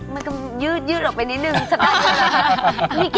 มันก็ยืดออกไปนิดนึงสัปดาห์นี้หรอคะ